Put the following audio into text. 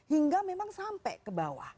hingga memang sampai ke bawah